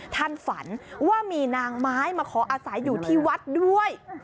ท่านฝันว่ามีนางไม้มาขออาศัยอยู่ที่วัดด้วย